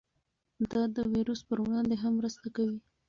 دا د ویروس پر وړاندې هم مرسته کوي.